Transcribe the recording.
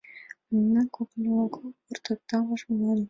А мемнам когыньнам огыт пурто, пурташ вожылмаш, маныт.